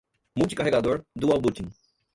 multi-carregador, dual booting